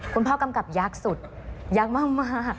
คุณพ่อกำกับยากสุดยากมาก